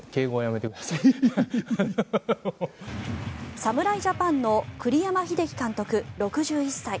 侍ジャパンの栗山英樹監督、６１歳。